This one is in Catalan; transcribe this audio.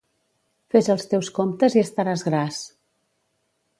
Fes els teus comptes i estaràs gras.